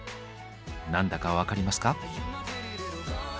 何だか分かりますか？